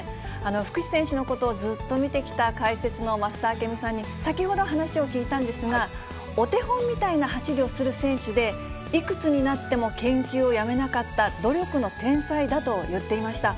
福士選手のことをずっと見てきた解説の増田明美さんに、先ほど話を聞いたんですが、お手本みたいな走りをする選手で、いくつになっても研究をやめなかった努力の天才だと言っていました。